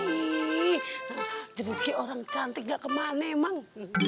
ih jenis gini orang cantik gak kemana emang